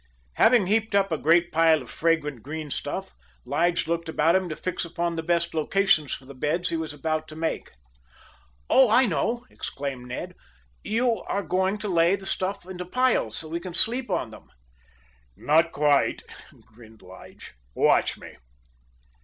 Having heaped up a great pile of fragrant green stuff, Lige looked about him to fix upon the best locations for the beds he was about to make. "Oh, I know," exclaimed Ned. "You are going to lay the stuff into piles so we can sleep on them." "Not quite," grinned Lige. "Watch me."